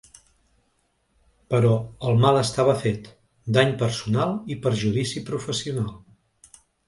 Però el mal estava fet: dany personal i perjudici professional.